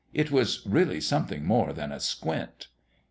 It was really something more than a squint.